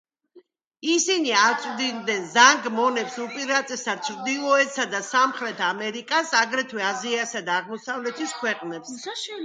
ისინი აწვდიდნენ ზანგ მონებს უპირატესად ჩრდილოეთსა და სამხრეთ ამერიკას, აგრეთვე აზიისა და აღმოსავლეთის ქვეყნებს.